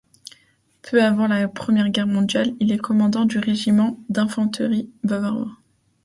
Peu avant la Première Guerre mondiale, il est commandant du Régiment d'Infanterie bavarois.